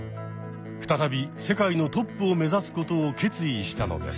再び世界のトップをめざすことを決意したのです。